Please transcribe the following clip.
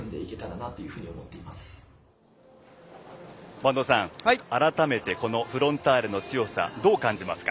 播戸さん、改めてフロンターレの強さどう感じますか？